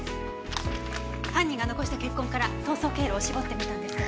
犯人が残した血痕から逃走経路を絞ってみたんですけど。